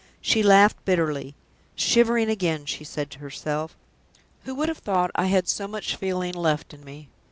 She laughed bitterly. "Shivering again!" she said to herself. "Who would have thought I had so much feeling left in me?"